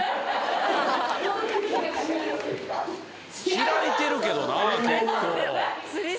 開いてるけどな結構。